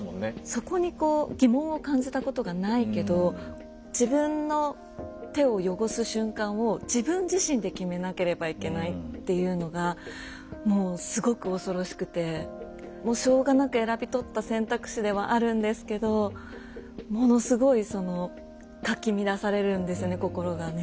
そこにこう疑問を感じたことがないけど自分の手を汚す瞬間を自分自身で決めなければいけないっていうのがもうすごく恐ろしくてもうしょうがなく選び取った選択肢ではあるんですけどものすごいそのかき乱されるんですよね心がね。